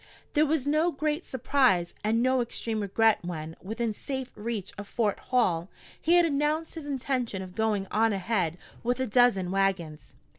There was no great surprise and no extreme regret when, within safe reach of Fort Hall, he had announced his intention of going on ahead with a dozen wagons.